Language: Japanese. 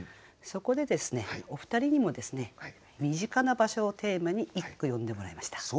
そこでお二人にも身近な場所をテーマに一句詠んでもらいました。